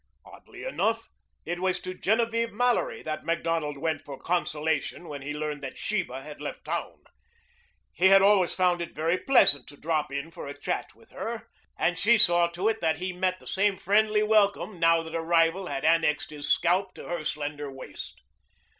Oddly enough, it was to Genevieve Mallory that Macdonald went for consolation when he learned that Sheba had left town. He had always found it very pleasant to drop in for a chat with her, and she saw to it that he met the same friendly welcome now that a rival had annexed his scalp to her slender waist.